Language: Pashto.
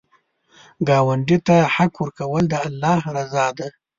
ګاونډي ته حق ورکول، د الله رضا ده